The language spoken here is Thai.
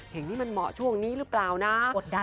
อย่างนี้มันเหมาะช่วงนี้หรือเปล่านะ